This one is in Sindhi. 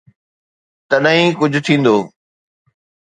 تڏهن ئي ڪجهه ٿيندو.